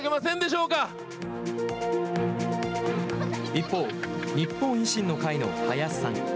一方、日本維新の会の林さん。